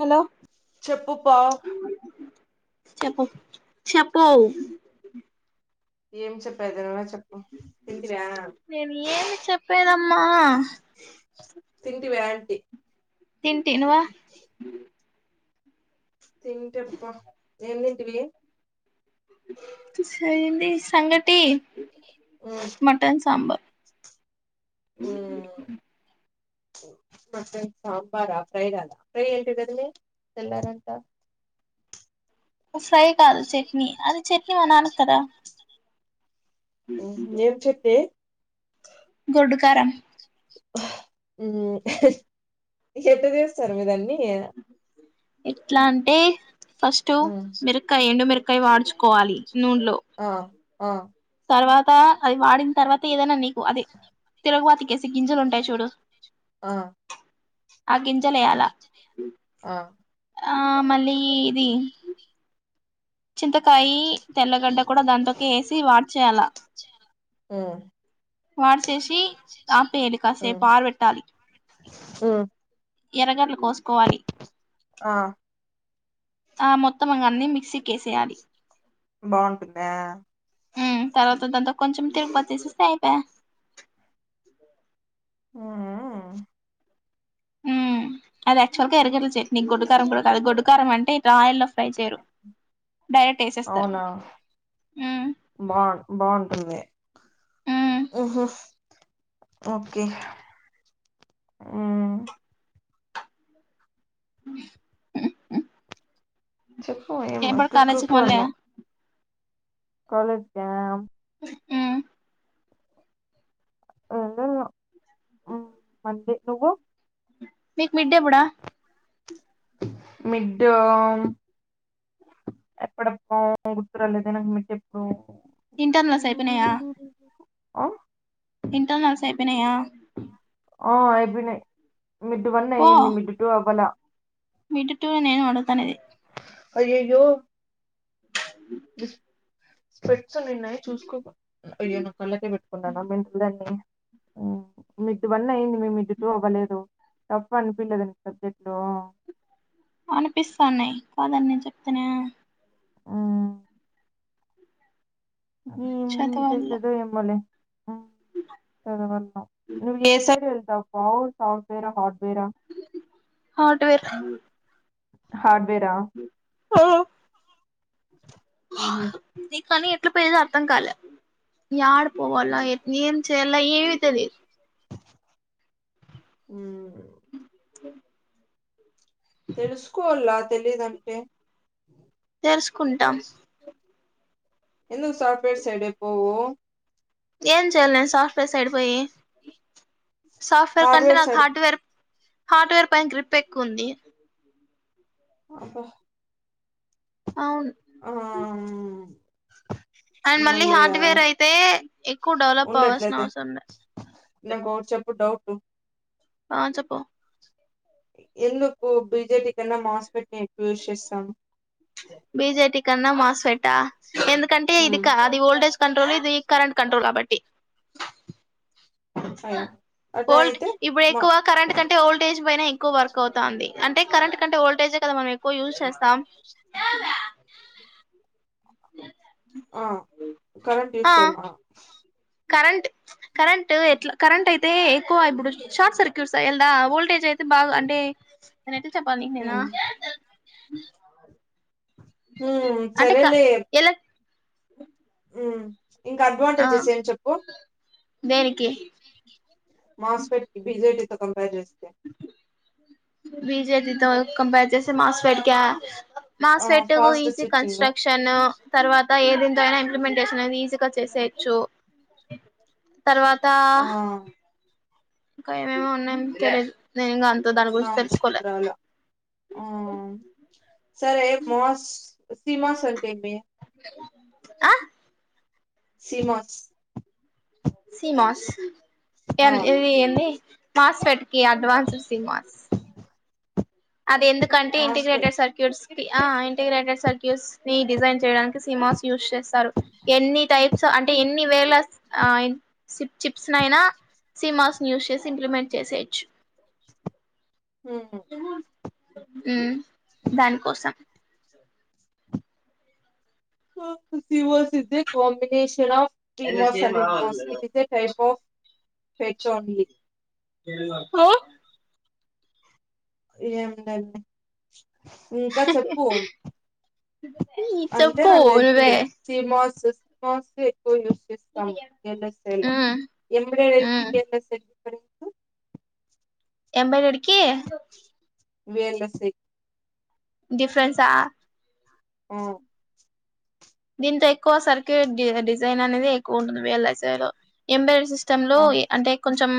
Hello చెప్పు పావ్ చెప్పు చెప్పు ఏం చెప్పెదిరా చెప్ప నేను ఏమి చెప్పేదా మా తింటివా యాంటి తింటి నువ్ తింటప్పా ఎంతింటివి [unintelligible] సంగటి మ్మ్ మటన్ సాంబర్ ఏ మ సాంబారా ఫ్రైగాలా ఫ్రై ఎంటిదరి తిన్నా రంతా ఫ్రై కాదు చట్నీ అది చట్నీ మనాన్నక్ కదా ఏం చట్నీ గొడ్డుకారం ఎట్ట చేస్తారు మీ రన్నీ ఎట్లా అంటే ఫస్టూ మ్మ్ మిరుక్కాయ్ ఎండు మెరుకా కై వాడ్చుకోవాలి నూన్లో హా తర్వాతా అది వాడిన్ తర్వాత ఏదైనా నీకు అది తిరుగుబాతికేసి గింజల్ ఉంటాయ్ చూడూ ఆ ఆ గింజల ఎయ్యాల ఆ ఆ మళ్ళీ ఇది చింతకాయీ తెల్లగడ్డ కూడా దాంతోకి ఏసి వా చాలా మ్ వార్స్ షీ ఆపేలి కాసే పార్ వెెట్టాలీ ఊ ఎర్రగడ్లు కోస్కోవాలి ఆ ఆ మొత్తం అన్నీ మిక్సీ కేసేయాలి బాగుంటుందా మ్ తర్వాత దాంతొ కొంచెం తిరుమత వేసేస్తే అయిపోయ్ మ్ మ్ మ్ అది ఆక్చువల్ క ఎర్రగడ్డ చెల్ నీకు గొడ్డు కారం కూడా కాదు గొడ్డు కారం అంటే ఇలా ఆయిల్లో ఫ్రై చేయరు డైరెక్ట్ ఏసేస్తారు అవునా మ్ బాగు బాగుంటుంది మ్ మ్మ్ హు ఓకే ఆ చెప్పు ఏం కుక్కు మళ్ళీ అన్నా కాలేజ్కి ఉ ఎంట మల్లి నువ్వు మీకు మిడ్ డే మిడ్డు [unintelligible] ఇంటర్న్ల సైపినయా ఆ ఇంటర్నల్స్ప్పినయా ఉ అయిపోయినాయి మిడ్డు వన్ అయ్యింది మిడ్డు టూ అవ్వల మిడ్డు టూ నేను అడుతాన అదది అయ్యయ్యో ఇ స్పెట్స్ ఉన్నిన్నాయి చూసుకోక అయ్యేనాకళ్ళకే పెట్టుకున్నాన మెంటాల్డన్ని మిడ్డు వన్ అయ్యంది మే మిడ్డు టూ అవ్వలేదు టఫ్ అ అనిపిలేదా నీకు సబ్జెక్ట్ అనిపిస్తాన్నాయి కాదని నేను చెప్తేనే ఆ నం చదవాల చేతుదు ఏ మోలే చదవల నువ్వు ఏస సాఫ్ట్వేర్ హార్డ్వేర్ హార్డ్వేర్ ఊహు కానీ ఎట్లా పెయదో అర్థం కాలేదు యాడ్ పోవాల ఎ చెలా ఏవి తెలీదు ఉ అ తెలుసుకోవల్ల తెలీదు అంటే తెలుసుకుంటాం ఎందుకు సాఫట్వ పోవ ఏం చేయాలి నేను సాఫట్వే సాఫ్ట్వేర్ కంటే హార్డ్వేర్ నాకు సైడ్ హార్డ్వేర్ హార్డ్వేర్ పైన గ్రిప్ ఎక్కువుంది ఆహా అవును ఆ అండ్ మళ్ళీ హార్డ్వేర్ అయితే ఎక్కువ డెవలప్ అవ్వాల్సిన ఉండట్లయితే అవసరం లే నాకు చెప్పు డౌట్ ఆ చెప్పు ఎందుకు బిజెపి కన్నా మాస్పెట్ ని ఎక్కువ యూస్ చేస్తాం బిజెటి కన్నా మాస్వేట ఎందుకంటే ఇదికా అది ఓల్డేజ్ కంట్రోల్ ఇది కరెంట్ కంట్రోల్ కాబట్టి అయ్యా అట్లా ఓల్డ్ అయితే ఇప్పుడు మా ఎక్కువ కరెంట్ కంటే ఓల్టేజ్ పైన ఎక్కువ వర్క్ అవుతుంది అంది అంటే కరెంట్ కంటే ఓల్టేజే కద మనం ఎ క్కువ యూజ్ చేస్తాం దాదా ఆ కరెంట్ ఆ విషయమా కరెంట్ కరెంట్ ఎట్లా కరెంట్ అయితే ఎక్కువ ఇప్పుడు షార్ట్ సర్క్యూట్స్ వెళ్దా వోల్టేజ్ అయితే బాగా అంటే ఏట చెప్పాలా నికి నేను మ్మ్. హుమ్ అంటే క సరేలే ఎలా హ్మ్. ఇంకా అడ్వాంటేజెస్ ఏం చెప్పు బేరి మాస్‌ఫెట్ బీజేటీ కంపేర్ చేస బీజేటీతో కంపేర్ చేసి మాస్‌ఫెట్ క ఆ MOSFET fast easy switching construction తర్వాత ఏదింతో అయినా ఇంప్లిమెంటేషన్ అనేది ఈజీగా చేసేయొచ్చు తర్వాత ఆ ఇంకా మేము ఉన్నాం తెలీదు నేను ఇంకా అంత దాని గురించి నాకు తెలుసుకోలే గుర్తు రాల ఆ సరే మాస్‌ సీమాస్‌ అంటే ఏమీ ఆ సీమాస్‌ సీమాస్‌ ఆ ఏంది ఇది ఏంది మాస్ ‌ఫెట్ కీ అడ్వాన్సడ్ సిమాస్ అది ఎందుకంటే మాస్ఫెట్ ఇంటిగ్రేటెడ్ సర్క్యూట్స్ అ ఇంటిగ్రేటెడ్ సర్క్యూస్ ని డిజైన్ చేయడానికి సిమాస్ యూజ్ చేస్తా స్తరు ఎన్ని టైప్ సో అంటే ఎన్ని వేల సిప్ చిప్స్నయినా సీమాస్ ని యూస్ చేసి ఇంప్లిమెంట్ చేసేయచ్చు హుమ్ మ్మ్ దాన్ కోసం సిమాస్ ఈజె కాంబినేషన్ ఆఫ్ సిమాస్ అనే మాస్‌ఫెట్ ఇస్ ఏ టైప్ పో ఫెట్ ఓన్లీ ఆహ్ ఏం లేదె ఇంక చెప్పు అంటే చెప్పు నాక్ నువ్వే తెలుస్తది సిమాస్ మాస్ సి యూస్ చేస్తాము వీఎల్ఎస్ఐ లో మ్మ్ ఎంబెడెడ్ అయితే మ్మ్ వీఎల్ఎస్ఐకి పడుకు ఎంబడెడ్ కి వి యల్ ఎస్ ఐ డి ఫ్రెన్సా ఆ దీంతో ఎక్కువ సరికి డిజైన్ అనేది ఎక్కువ ఉంటుంది వి ఎల్ ఎస్ ఐ లో ఎంబెడెడ్ సిస్టమ్లో ఆ అంటే కొంచెం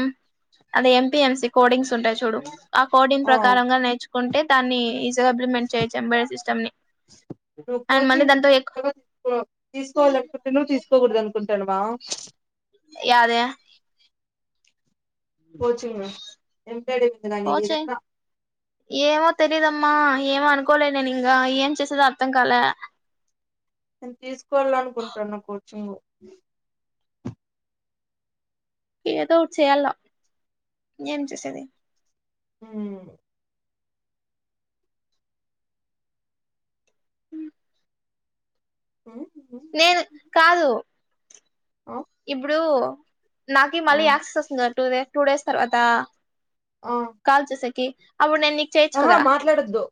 అదే ఎంపీ ఎంసి కోర్డింగ్స్ ఉంటయి చూడు ఆ కోడింన్ ఆ ప్రకారంగ నేర్చు కుంటే దాన్ని ఈజగా ఇంప్లిమెంట్ చేయచ్చు ఎంబడెడ్ సిస్టమ్ ని అన్డ్ మల్లి దాంతో ఎ తీసుకోలేక పోతను తీసుకోకూడదు అనుకుంటాడు నువా యాదె కోచింగ ఏమ్ కోచింగ్ ఏమో తెలిదమ్మా ఏమ అనుకోలే నేను ఇంగా ఏం చేసేది అర్థం కాలా నేను తీసుకోవాలనుకుంటున్నా కోచింగ్ ఏదో ఓకటి చేయాల ఏం చేసేది మ్మ్ నేను కాదు ఆ ఇప్పుడు నాకి ఆ మళ్ళీ యాక్సస్ వస్తుంది టూ డే టూ డేస్ తర్వాత ఆ కాల్ చేసేకి అవుడు ఆహా మాట్లాడద్దు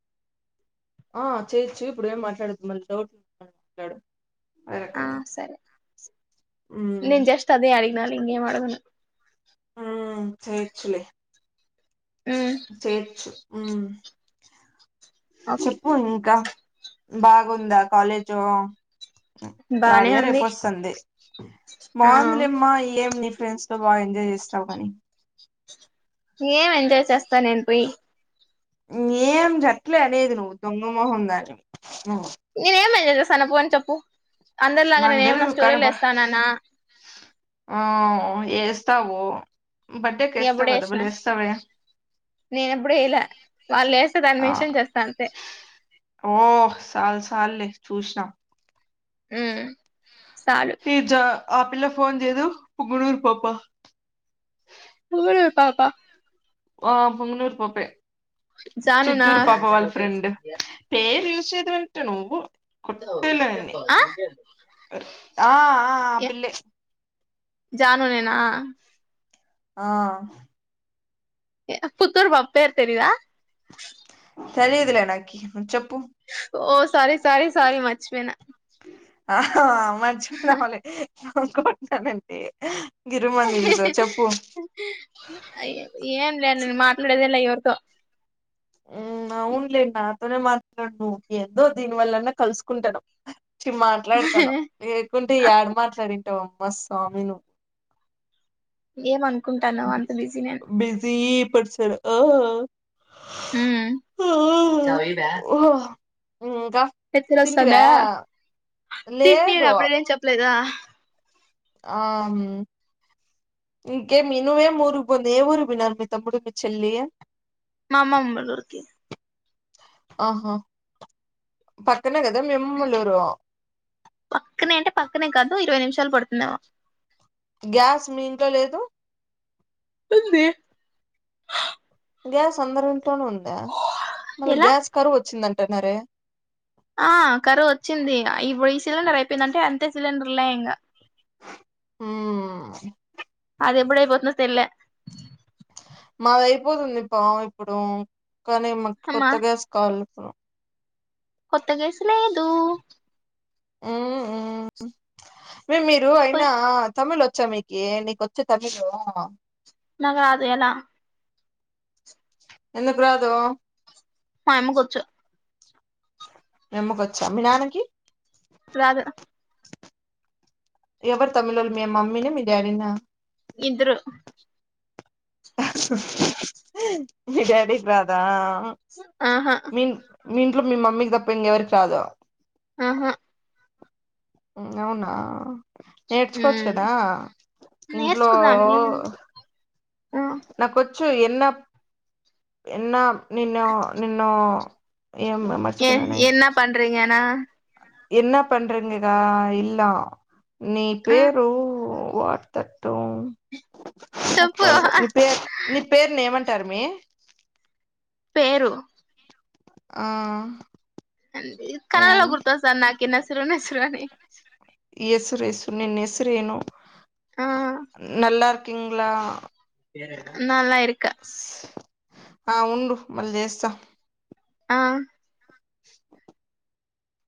ఆ చేయొచ్చు ఇప్పుడు ఏం మాట్లాడద్ మళీ డౌట్ [unintelligible] ఆ సరే హ్మ్మ్. నేను జస్ట్ అదే అడిగినాను ఇంకేం అడగను హ్మ్మ్ చేయొచ్చులే చెయొచ్చు మ్మ్ ఓకే చెప్పు ఇంకా బాగుందా కాలేజూ తాడ్ బానే ఇయర్ ఉంది అయిపోస్తది ఆ బాగుందిలేమ్మా ఏంది ఫ్రెండ్స్ తో బాగా ఎంజాయ్ చేస్తావు కానీ ఏం ఎంజాయ్ చేస్ త నేను పోయి ఏం చెట్లే అనేది నువ్వు దొంగమొహం దానివి నేనే ఏం చేస్తన్న [unintelligible] పో అని చెప్పు అందరిలాగా నాకు నేను ఏమైనా తెలీదు కానీ స్టోరీలు బా వేస్తాననా ఆ ఏస్తావు బడ్డేకి ఎస్తావ్ ఎప్పుడు కదా వేసిన బలేస్తావే నేను ఎప్పుడు వేయలే వాళ్ళు వేస్తే దాన్ని ఆ మెన్షన్ చేస్తా అంతే ఓ సాల్ సాల్లే చూసిన మ్మ్ ఫిజ్జా ఆ పిల్ల ఫోన్ చేయదు పుంగనూరు పాప పుంగనూరు పాప ఆ పొంగనూరు పాపే జాను నా చిత్తూరు [inaudible] కుట్టాల్ధాన్ని ఆ ఆ ఆ పిల్లే జనునేేనా ఆ ఏ పుత్తూరు పాప పేర్ తెలిదా సర ఇదలే నాకి చెప్ప ఓ సారి సారీ సారీ మర్చిపోయిన హః ఆవున్ మ జవ ఇంక పట్టనండి ఏం లే నను మాట్లాడేదిలా ఇవరితో అవునులేం నాతోనే మాట్లాడు నువ్వు ఏదో దీనివల్లన్నా కలుసుకుంటాను చి మాట్లాడుతాను లేకుంటే ఏడ మాట్లాడింటావో మా స్వామినువ్ ఏమంత బిజీ పడు సర ఆ ఆ చవి వ ఆ. ఇంకా ఎంత తింటివా రసందా తిను లేదు అప్పుడ చెప్పలేదా ఆ ఇంకేం ఇనువేం ఊరుకి పోంది ఏ ఊరు వి నర్మి త ముడు మీ చెల్రీ మామ మబళూరుకి ఆహా కన కదా మెమ్ముళూరు పక్కనే అంటే పక్కనే కాదు ఇరవై నిమిషాలు పడుతుందేమ గ్యాస్ మీంట్లో లేదు ఉంది అ సందర ఉందా మళ్ళా ఎలా గ్యాస్ కరు వచ్చిందంటే ట్టనారే ఆ కరువు వచ్చింది ఇప్పుడు ఈ సిలిండర్ అయిపోయిందంటే అంతే సిలిండర్ లే ఇంంగా హ అది ఎప్పుడపోతున తెల్లే మాది అయిపోతుంది ఇ పా ఇప్పుడు కానీ మ అమ్మా కొత్తగాస్ కాాల ఓ కొత్త గేసులేదు మ్ హ్ మే మీరు పోయ్ అయినా తమిళ్ చ్చ మీకి నీకు వచ్చ తమిళు నాకా ఆది ఎలా ఎందుకు రాదు మామ్మ కొచ్చు మీ అమ్మకొచ్చా మీ నాన్నకి రాదు ఎవరు తమిళోళ్ళు మీ మమ్మీన మీ డాడీనా ఇద్దరు మీ డాడీ కి రాదా ఆహా మీ మీ ఇంట్లో మీ మమ్మీకి తప్ప ఇంకెవరి కి రాదు ఆహా అవునా నేర్చుకోవచ్చు మ్ కదా ఇంట్లో నేర్చుకుందాం ఏముంది ఆ నా కొచ్చు ఎన్న ఎన్న నిన్న నిన్న ఏ ఎన్న పండీరింగాన ఎన్న పండ్రంగకా ఇల్లా నీ ఆ పేరు వార్తట్టం చెప్పు ని పేరు ని పేరు నీ ఏమంటారు టారుమే పేరు ఆ కలలో గుర్తుస్తోన్న [unintelligible] విసరాని ఎసురు ఎసురు నిన్ను ఎసురేను నల్ కింగ్ లా నల్లా ఎరుకు స్ ఆ ఉండు మళ్ళీ చేస్తా ఆ